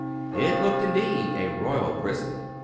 It looked, indeed, a royal prison.